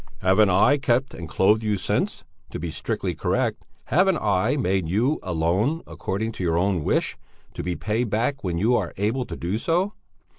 Haven't I kept and clothed you since to be strictly correct, haven't I made you a loan, according to your own wish, to be paid back when you are able to do so?